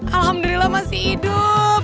alhamdulillah masih hidup